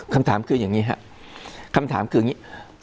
คำถามคืออย่างนี้ครับคำถามคืออย่างนี้